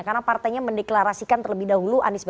karena partainya mendeklarasikan terlebih dahulu